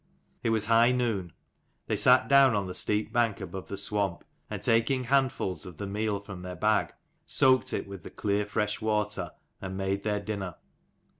It was high noon. They sat down on the steep bank above the swamp ; and taking handfuls of the meal from their bag, soaked it with the clear fresh water and made their dinner.